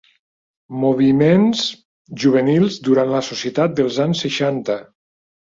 Moviments juvenils durant la societat dels anys seixanta.